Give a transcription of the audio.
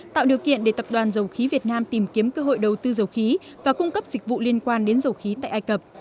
tạo điều kiện để tập đoàn dầu khí việt nam tìm kiếm cơ hội đầu tư dầu khí và cung cấp dịch vụ liên quan đến dầu khí tại ai cập